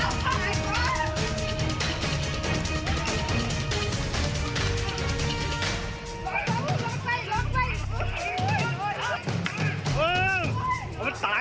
เย็นแล้วพ่อไอ้พ่อ